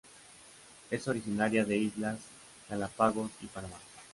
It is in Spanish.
Es originaria de Islas Galápagos y Panamá.